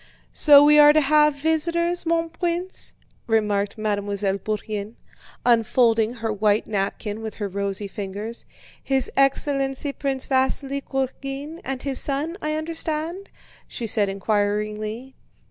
"So we are to have visitors, mon prince?" remarked Mademoiselle Bourienne, unfolding her white napkin with her rosy fingers. "His Excellency Prince Vasíli Kurágin and his son, I understand?" she said inquiringly.